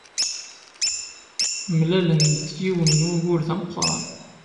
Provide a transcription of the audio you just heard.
Mlalen-d yiwen n wugur d ameqran.